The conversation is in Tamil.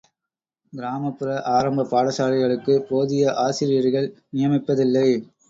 கிராமப்புற ஆரம்பப் பாடசாலைகளுக்குப் போதிய ஆசிரியர்கள் நியமிப்பதில்லை!